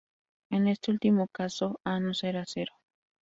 En este último caso, A no será cero.